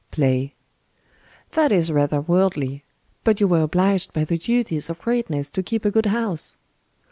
"Play." "That is rather worldly: but you were obliged by the duties of greatness to keep a good house."